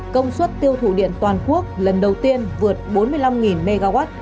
công suất tiêu thụ điện toàn quốc lần đầu tiên vượt bốn mươi năm mw